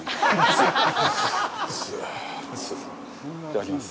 いただきます。